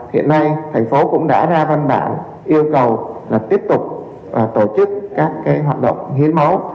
hiện nay thành phố cũng đã ra văn bản yêu cầu là tiếp tục tổ chức các hoạt động hiến máu